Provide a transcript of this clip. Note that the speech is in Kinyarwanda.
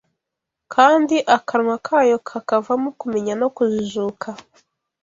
kandi akanwa kayo kakavamo “kumenya no kujijuka